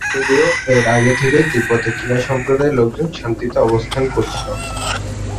যদিও, এর আগে থেকেই তিব্বতে চীনা সম্প্রদায়ের লোকজন শান্তিতে অবস্থান করছিল।